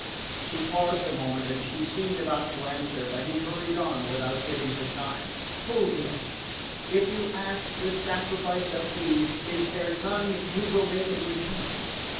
He paused a moment and she seemed about to answer; but he hurried on without giving her time. "Fulvia, if you ask this sacrifice of me, is there none you will make in return?